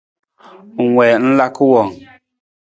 Ng wii ng laka wang ?